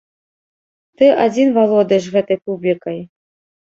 Ты адзін валодаеш гэтай публікай.